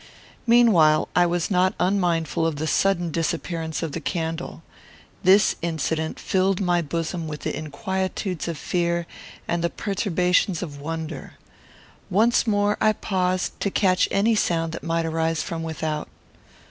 Meanwhile I was not unmindful of the sudden disappearance of the candle. This incident filled my bosom with the inquietudes of fear and the perturbations of wonder. Once more I paused to catch any sound that might arise from without.